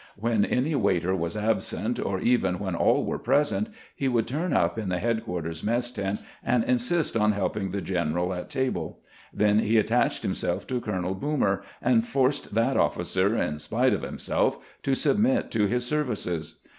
When any waiter was absent, or even when all were present, he would turn up in the headquarters mess tent and insist on helping the general at table. Then he attached himself to Colonel Boomer, and forced that officer in spite of himself to submit to his services.